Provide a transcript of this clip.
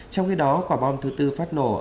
trong khi đó quả bom thứ bốn phát nổ